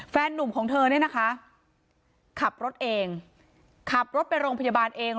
แฟนนุ่มของเธอเนี่ยนะคะขับรถเองขับรถไปโรงพยาบาลเอง